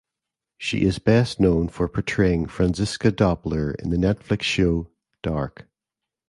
She is best known for portraying Franziska Doppler in the Netflix show "Dark".